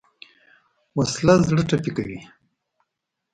وسله زړه ټپي کوي